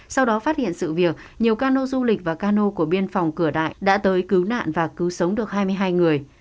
sau đó phát hiện sự việc nhiều cano du lịch và cano của biên phòng cửa đại đã tới cứu nạn và cứu sống được hai mươi hai người